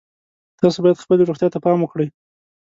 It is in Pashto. تاسو باید خپلې روغتیا ته پام وکړئ